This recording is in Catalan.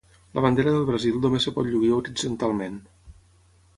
La bandera del Brasil només es pot lluir horitzontalment.